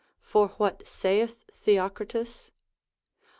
For what saith Theocritus?